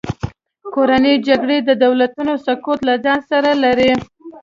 کورنۍ جګړې د دولتونو سقوط له ځان سره لري.